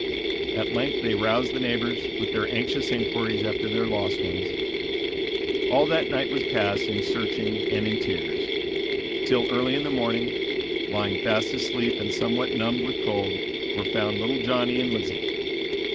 At length they roused the neighbors with their anxious inquiries after their lost ones. All that night was passed in searching and in tears, till early in the morning, lying fast asleep and somewhat numbed with cold, were found little Johnny and Lizzie.